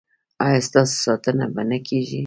ایا ستاسو ساتنه به نه کیږي؟